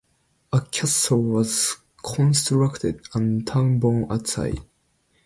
A castle was constructed and a town born at side.